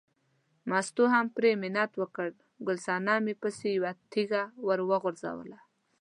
مستو هم پرې منت وکړ، ګل صنمې پسې یوه تیږه ور وغورځوله.